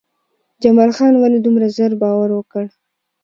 جمال خان ولې دومره زر باور وکړ؟